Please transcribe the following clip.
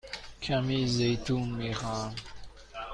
کمی زیتون می خواهم.